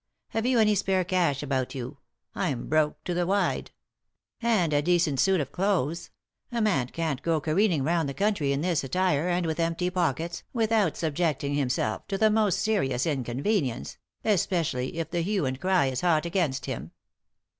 Have you any spare cash about you ? I'm broke to the wide t And a decent suit of clothes ? A man can't go careering round the country in this attire, and with empty pockets, without subjecting himself to the most serious inconvenience— especially if the hue and cry is hot against him."